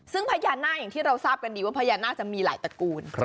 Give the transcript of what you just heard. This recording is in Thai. ซึ่งพญานาคอย่างที่เราทราบกันดีว่าพญานาคจะมีหลายตระกูล